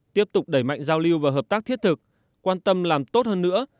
tiếp tục đẩy mạnh giao lưu và hợp tác thiết thực quan tâm làm tốt hơn nữa